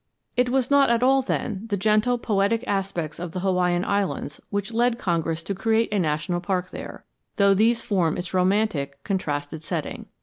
It was not at all, then, the gentle poetic aspects of the Hawaiian Islands which led Congress to create a national park there, though these form its romantic, contrasted setting.